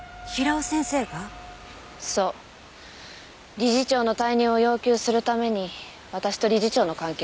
理事長の退任を要求するために私と理事長の関係を調べてるみたい。